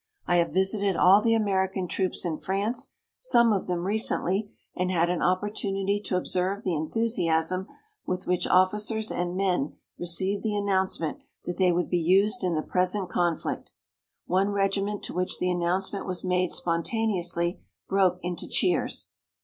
I have visited all the American troops in France, some of them recently, and had an opportunity to observe the enthusiasm with which officers and men received the announcement that they would be used in the present conflict. One regiment to which the announcement was made spontaneously broke into cheers."